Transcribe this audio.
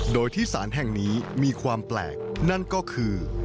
โดยที่สารแห่งนี้มีความแปลกนั่นก็คือ